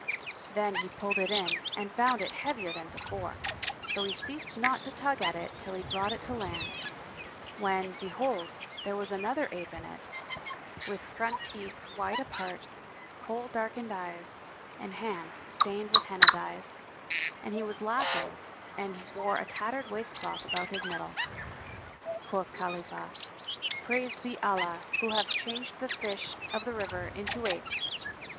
Then he pulled it in and found it heavier than before; so he ceased not to tug at it, till he brought it to land, when, behold, there was another ape in it, with front teeth wide apart, [FN#187] Kohl darkened eyes and hands stained with Henna dyes; and he was laughing and wore a tattered waistcloth about his middle. Quoth Khalifah, "Praised be Allah who hath changed the fish of the river into apes!"